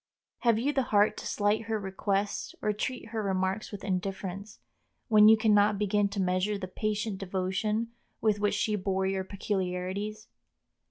Have you the heart to slight her requests or treat her remarks with indifference, when you can not begin to measure the patient devotion with which she bore your peculiarities?